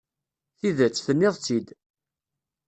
Tidet, tenniḍ-tt-id.